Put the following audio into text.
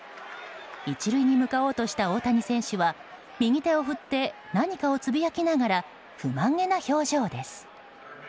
１塁に向かおうとした大谷選手は右手を振って何かをつぶやきながら不満げな表情です。